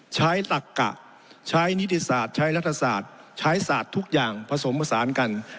ตักกะใช้นิติศาสตร์ใช้รัฐศาสตร์ใช้ศาสตร์ทุกอย่างผสมผสานกัน